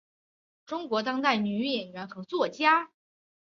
中国当代女演员和作家。